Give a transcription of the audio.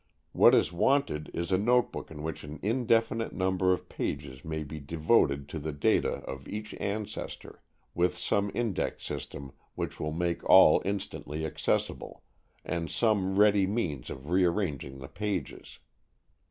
What is wanted is a notebook in which an indefinite number of pages may be devoted to the data of each ancestor, with some index system which will make all instantly accessible, and some ready means of rearranging the pages.